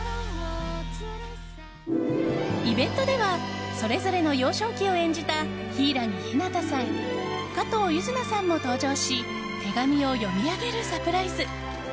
イベントではそれぞれの幼少期を演じた柊木陽太さん加藤柚凪さんも登場し手紙を読み上げるサプライズ。